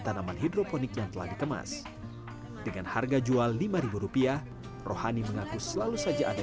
tanaman hidroponik yang telah dikemas dengan harga jual lima rupiah rohani mengaku selalu saja ada